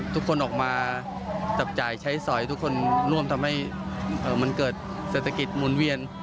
ทุกคนออกมาจับจ่ายใช้สอยทุกคนร่วมทำให้มันเกิดเศรษฐกิจหมุนเวียน